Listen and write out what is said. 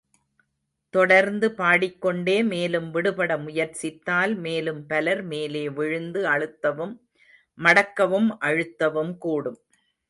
தொடர்ந்து பாடிக்கொண்டே மேலும் விடுபட முயற்சித்தால், மேலும் பலர் மேலே விழுந்து அழுத்தவும், மடக்கவும், அழுத்தவும் கூடும்.